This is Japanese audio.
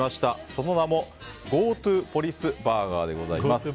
その名もＧｏＴｏポリスバーガーです。